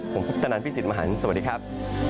ผมคุฎนันพี่สิสมหัสสวัสดีครับ